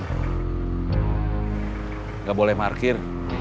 enggak boleh markir